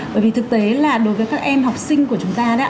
bởi vì thực tế là đối với các em học sinh của chúng ta